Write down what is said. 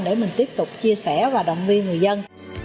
để mình tiếp tục chia sẻ và động viên người dân